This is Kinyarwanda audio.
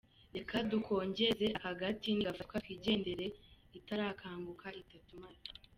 Reka dukongeze aka gati, ni gafatwa twigendere itarakanguka itatumara!